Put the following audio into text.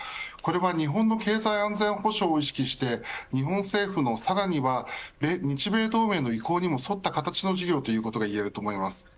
これは日本の経済安全保障を意識して日本政府のさらには日米同盟の意向にも沿った形の事業といえます。